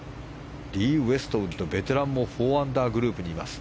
リー・ウエストウッドベテランも４アンダーグループにいます。